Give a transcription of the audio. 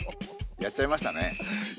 やっちゃいました。